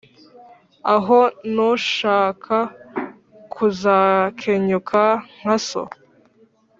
Aho ntushaka kuzakenyuka nka so?